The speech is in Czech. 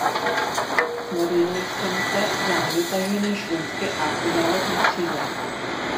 Modlil jsem se za nedotažené šroubky a za led na křídlech.